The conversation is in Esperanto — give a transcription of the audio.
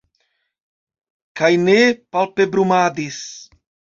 Kaj ne palpebrumadis.